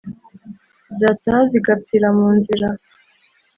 zataha zigapfira mu nzira